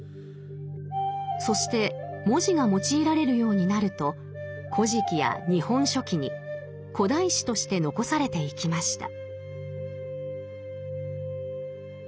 そして文字が用いられるようになると「古事記」や「日本書紀」に古代史として残されていきました。